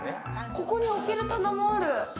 ここに置ける棚もある。